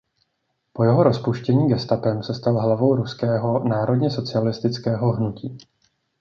Po jeho rozpuštění gestapem se stal hlavou Ruského národně socialistického hnutí.